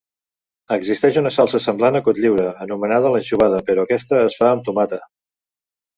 Existeix una salsa semblant a Cotlliure anomenada l'anxovada però aquesta es fa amb tomata.